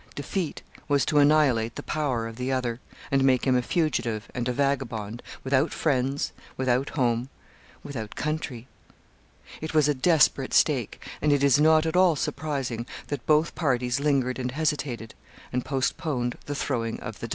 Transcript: Defeat was to annihilate the power of the other, and make him a fugitive and a vagabond, without friends, without home, without country. It was a desperate stake; and it is not at all surprising that both parties lingered and hesitated, and postponed the throwing of the die.